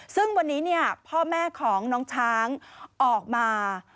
ซึ่งวันนี้พ่อแม่ของน้องช้างออกมา